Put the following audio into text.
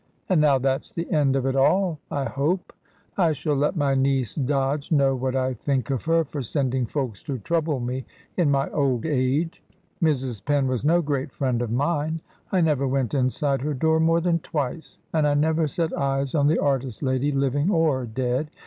"And now that's the end of it all, I hope. I shall let my niece, Dodge, know what I think of her for sending folks to trouble me in my old age. Mrs. Penn was no great friend of mine. I never went inside her door more than twice, and I never set eyes on the artist lady, living or dead.